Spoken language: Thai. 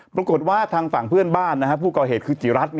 ปรากฏว่าทางฝั่งเพื่อนบ้านผู้ก่อเหตุคือจิรัตน์